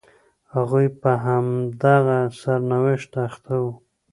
هغوی په همدغه سرنوشت اخته وو.